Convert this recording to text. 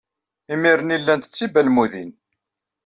Imir-nni, llant d tibalmudin.